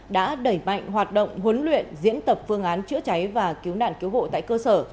đã đẩy mạnh hoạt động huấn luyện diễn tập phương án chữa cháy và cứu nạn cứu hộ tại cơ sở